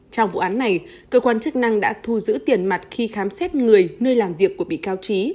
trong vụ án này cơ quan chức năng đã thu giữ tiền mặt khi khám xét người nơi làm việc của bị cáo trí